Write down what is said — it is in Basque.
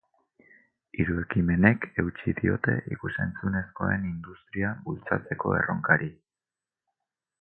Hiru ekimenek eutsi diote ikus-entzunezkoen industria bultzatzeko erronkari.